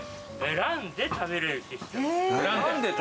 選んで食べられる。